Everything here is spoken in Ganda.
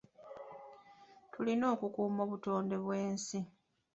Tulina okukuuma obutonde bw'ensi.